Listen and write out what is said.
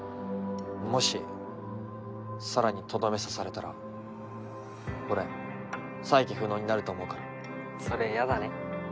もしさらにとどめ刺されたら俺再起不能になると思うからそれやだね